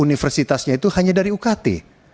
universitasnya itu hanya dari ukt